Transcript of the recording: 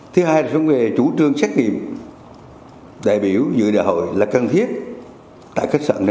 thứ hai là trong nghề chủ trương xét nghiệm đại biểu dự đạo hội là cần thiết tại khách sạn nơi ở